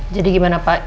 jadi gimana pak